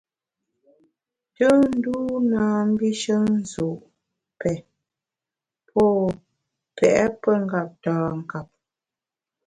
Tùnndû na mbishe nzu’, pè, pô pèt pengeptankap.